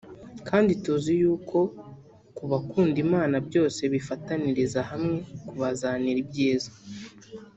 Kandi tuzi yuko ku bakunda Imana byose bifataniriza hamwe kubazanira ibyiza